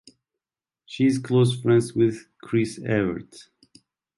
She is close friends with Chris Evert.